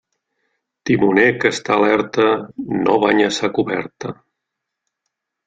Timoner que està alerta no banya sa coberta.